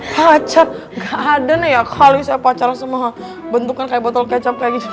pacar gak ada nek kali saya pacar sama bentukan kayak botol kecap kayak gitu